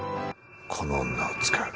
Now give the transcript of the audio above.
この女を使う。